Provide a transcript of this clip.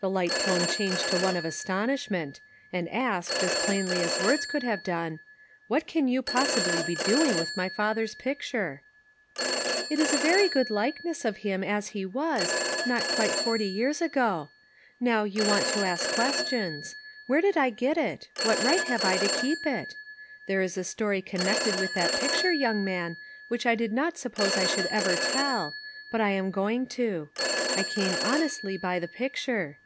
The light tone changed to one of astonishment, and asked, as plainly as words could have done, " What can you possibly be doing with my father's picture?" "It is a very good likeness of him as he was, not quite forty years ago. Now, you want to ask questions. Where did I get it? What right have I to keep it? There is a story connected with that picture, young man, which I did not suppose I should ever tell ; but I am going to. I came honestly by the picture.